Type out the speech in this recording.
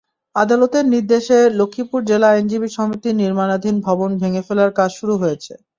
আদালতের নির্দেশে লক্ষ্মীপুর জেলা আইনজীবী সমিতির নির্মাণাধীন ভবন ভেঙে ফেলার কাজ শুরু হয়েছে।